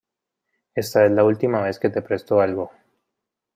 Está es la última vez que te presto algo.